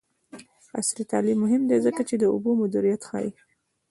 عصري تعلیم مهم دی ځکه چې د اوبو مدیریت ښيي.